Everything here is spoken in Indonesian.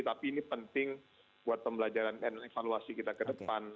tapi ini penting buat pembelajaran dan evaluasi kita ke depan